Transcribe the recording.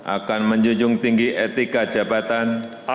akan menjunjung tinggi etika jabatan